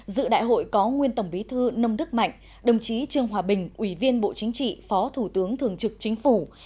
dự đại hội có nguyên tổng bí thư nông đức mạnh đồng chí trương hòa bình ủy viên bộ chính trị phó thủ tướng thường trực chính phủ